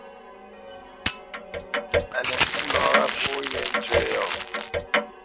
Á nə ntî nɔ wâ pó yē njə́ yɔ̂.